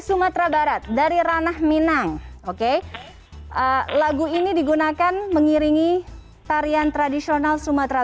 sumatera barat dari ranah minang oke lagu ini digunakan mengiringi tarian tradisional sumatera